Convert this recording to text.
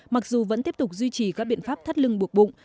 mặc dù vẫn tiếp tục duy trì các biện pháp thắt lưng buộc bụng